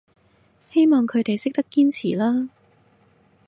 希望佢哋識得堅持啦